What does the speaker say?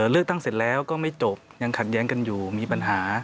เลือกตั้งเสร็จแล้วก็ไม่จบยังขัดแย้งกันอยู่มีปัญหา